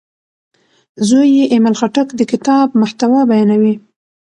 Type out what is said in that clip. زوی یې ایمل خټک د کتاب محتوا بیانوي.